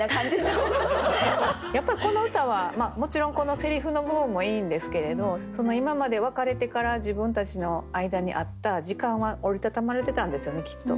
やっぱりこの歌はもちろんこのせりふの部分もいいんですけれど今まで別れてから自分たちの間にあった時間は折りたたまれてたんですよねきっと。